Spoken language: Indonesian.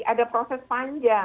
ada proses panjang